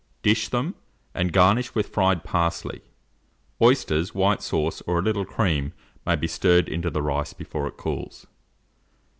Dish them, and garnish with fried parsley. Oysters, white sauce, or a little cream, may be stirred into the rice before it cools.